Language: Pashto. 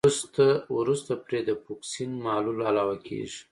وروسته پرې د فوکسین محلول علاوه کیږي.